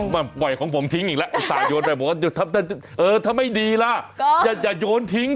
แต่น้องเขาเก่งจริง